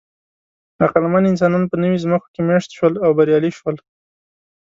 عقلمن انسانان په نوې ځمکو کې مېشت شول او بریالي شول.